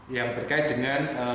yang berkait dengan